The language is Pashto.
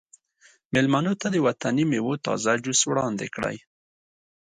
میلمنو ته د وطني میوو تازه جوس وړاندې کړئ